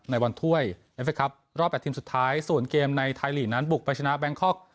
ในวันถ้วยเอฟเคครับรอบ๘ทีมสุดท้ายส่วนเกมในไทยลีกนั้นบุกไปชนะแบงคอก